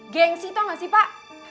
gengsi tau gak sih pak